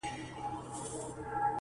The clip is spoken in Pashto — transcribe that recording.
د خدای لپاره په ژړه نه کيږي ..